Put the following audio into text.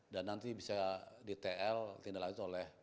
dan nanti bisa di tl tindak lagi oleh